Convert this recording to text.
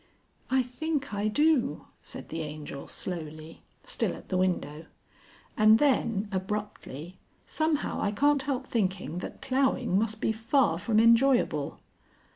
"I think I do," said the Angel slowly, still at the window; and then abruptly, "Somehow I can't help thinking that ploughing must be far from enjoyable."